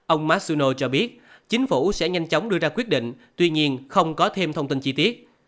ông marsuno cho biết chính phủ sẽ nhanh chóng đưa ra quyết định tuy nhiên không có thêm thông tin chi tiết